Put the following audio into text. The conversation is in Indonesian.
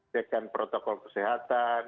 seakan protokol kesehatan